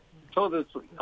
そうです。